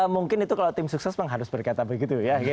mungkin itu kalau tim sukses memang harus berkata begitu ya